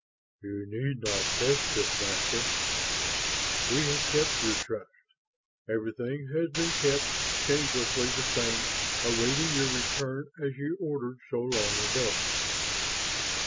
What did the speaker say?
"You need not test us, Master. We have kept your trust. Everything has been kept, changelessly the same, awaiting your return as you ordered so long ago."